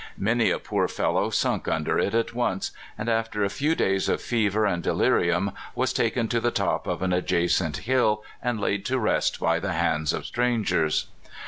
Many a poor fellow^ sunk under it at once, and after a few days of fever and delirium was taken to the top of an adjacent hill and laid to rest by the hands of strangers.